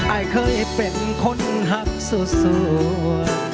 อายเคยเป็นคนหักสั่ว